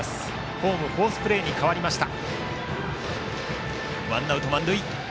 ホーム、フォースプレーに変わりました。